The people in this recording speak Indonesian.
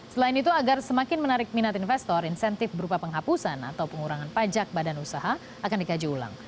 selain itu agar semakin menarik minat investor insentif berupa penghapusan atau pengurangan pajak badan usaha akan dikaji ulang